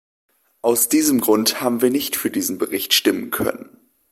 Aus diesem Grund haben wir nicht für diesen Bericht stimmen können.